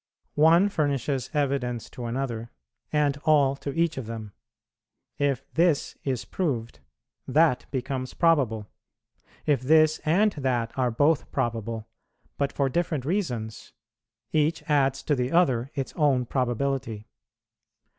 One furnishes evidence to another, and all to each of them; if this is proved, that becomes probable; if this and that are both probable, but for different reasons, each adds to the other its own probability.